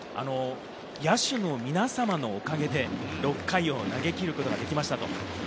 野手の皆様のおかげで６回を投げきることができました。